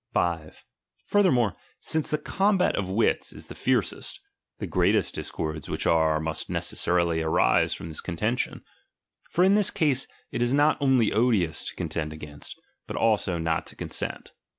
5. Furthermore, since the combat of wits is the tii? fiercest, the greatest discords which are, must ne ^l cessarily arise from this contention. For in this case it is not ouly odious to contend against, but also not to consent.